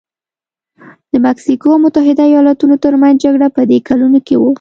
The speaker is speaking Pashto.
د مکسیکو او متحده ایالتونو ترمنځ جګړه په دې کلونو کې وه.